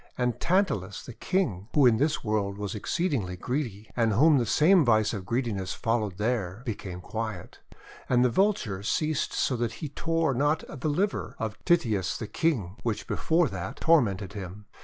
And Tantalus the King, who in this world was exceeding greedy, and whom the same vice of greediness followed there, became quiet. And the Vulture ceased so that he tore not the liver of Tityus the King, which before that tormented him.